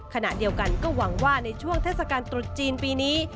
ขณะเดียวกันก็หวังว่าในช่วงเทศกาลตรุษจีนปีนี้